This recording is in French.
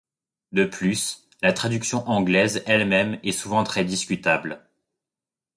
De plus, la traduction anglaise elle-même est souvent très discutable.